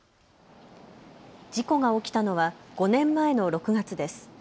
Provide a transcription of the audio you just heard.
事故が起きたのは５年前の６月です。